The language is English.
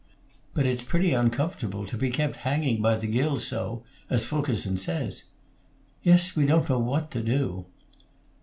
"But it's pretty uncomfortable, to be kept hanging by the gills so, as Fulkerson says." "Yes, we don't know what to do."